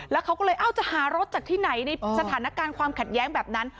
แล้วเขาก็เลยเอ้าจะหารถจากที่ไหนในสถานการณ์ความขัดแย้งแบบนั้น